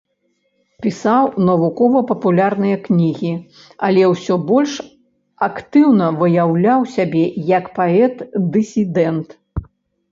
Пісаў навукова-папулярныя кнігі, але ўсё больш актыўна выяўляў сябе як паэт-дысідэнт.